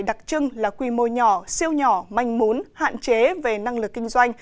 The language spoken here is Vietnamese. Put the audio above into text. đặc trưng là quy mô nhỏ siêu nhỏ manh mún hạn chế về năng lực kinh doanh